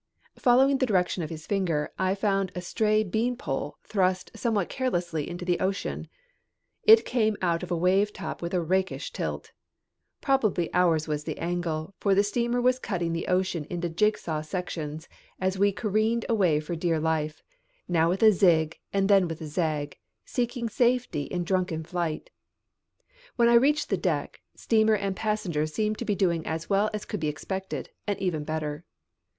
Following the direction of his finger I found a stray beanpole thrust somewhat carelessly into the ocean. It came out of a wave top with a rakish tilt. Probably ours was the angle, for the steamer was cutting the ocean into jigsaw sections as we careened away for dear life, now with a zig and then with a zag, seeking safety in drunken flight. When I reached the deck, steamer and passengers seemed to be doing as well as could be expected, and even better.